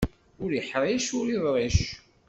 Ur iḥṛic, ur iḍric.